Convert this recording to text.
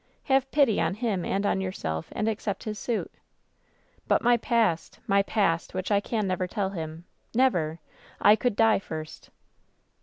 " *Have pity on him and on yourself, and accept his suit.' " 'But ,my past — ^my past — which I can never tell him — never ! I could die first.'